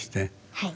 はい。